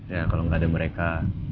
ya kalau nggak ada mereka